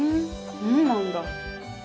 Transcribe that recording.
そうなんだ。